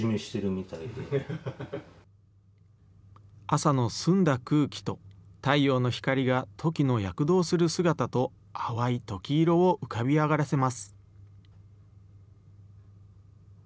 朝の澄んだ空気と太陽の光が、トキの躍動する姿と淡いトキ色を浮かび上がらせます。